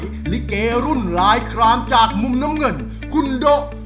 ซึ่งสมัยลิเกรุ่นรายคลามจากมุมน้ำเงินคุณโดะ